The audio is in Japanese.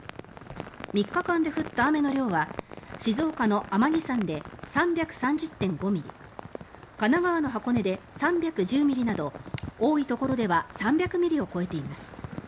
３日間で降った雨の量は静岡の天城山で３３０．５ミリ神奈川の箱根で３１０ミリなど多いところでは３００ミリを超えています。